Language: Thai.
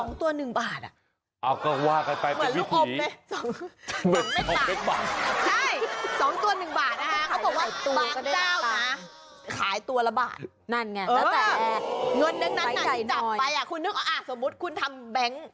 นั่นไงแล้วแต่เงินนึกนั้นจับไปอ่ะคุณนึกว่าอ่ะสมมุติคุณทำแบงค์